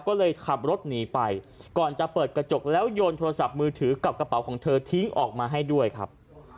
ก็เลยขับรถหนีไปก่อนจะเปิดกระจกแล้วโยนโทรศัพท์มือถือกับกระเป๋าของเธอทิ้งออกมาให้ด้วยครับ